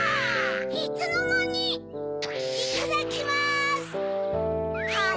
いつのまに⁉いただきます！